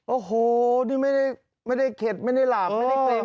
โอ้โหนี่ไม่ได้เข็ดไม่ได้หลาบไม่ได้เกร็ม